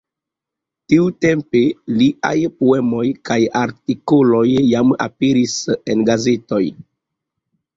Tiutempe liaj poemoj kaj artikoloj jam aperis en gazetoj.